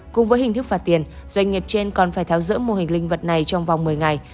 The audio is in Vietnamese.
cùng với hình thức phạt tiền doanh nghiệp trên còn phải tháo rỡ mô hình linh vật này trong vòng một mươi ngày